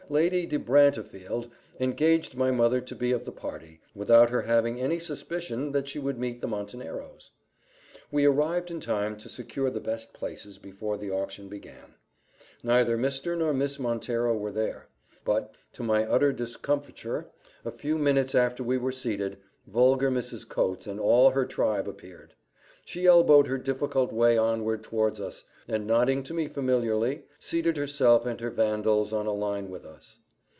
Lady de Brantefield engaged my mother to be of the party, without her having any suspicion that she would meet the Monteneros. We arrived in time to secure the best places, before the auction began. Neither Mr. nor Miss Montenero were there; but, to my utter discomfiture, a few minutes after we were seated, vulgar Mrs. Coates and all her tribe appeared. She elbowed her difficult way onward towards us, and nodding to me familiarly, seated herself and her Vandals on a line with us.